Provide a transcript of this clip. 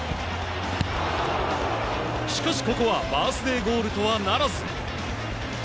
しかし、ここはバースデーゴールとはならず。